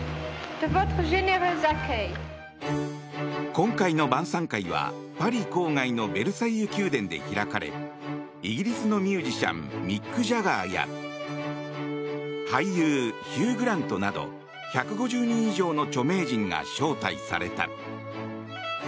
今回の晩さん会は、パリ郊外のベルサイユ宮殿で開かれイギリスのミュージシャンミック・ジャガーや俳優ヒュー・グラントなど１５０人以上の著名人が招待された。